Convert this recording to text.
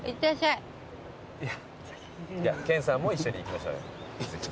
いや研さんも一緒に行きましょうよ。